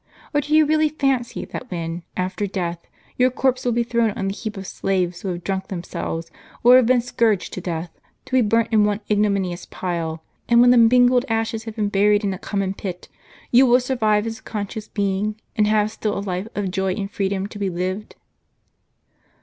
Or do you really fancy, that when, after death, your corpse will be thrown on the heap of slaves who have drunk them selves, or have been scourged, to death, to be burnt in one ignominious pile, and when the mingled ashes have been buried in a common pit, you will survive as a conscious being, and have still a life of joy and freedom to be lived?"